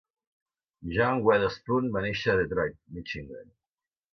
John Weatherspoon va néixer a Detroit, Michigan.